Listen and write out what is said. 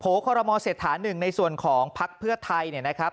โผล่คอลโรมอล์เศษฐานึงในส่วนของภักด์เพื่อไทยเนี่ยนะครับ